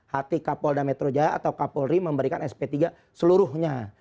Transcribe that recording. hati kapolda metro jaya atau kapolri memberikan sp tiga seluruhnya